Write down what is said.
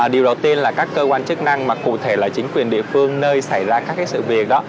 điều đầu tiên là các cơ quan chức năng mà cụ thể là chính quyền địa phương nơi xảy ra các sự việc đó